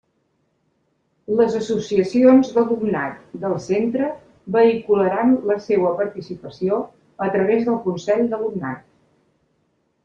Les associacions d'alumnat del centre vehicularan la seua participació a través del consell d'alumnat.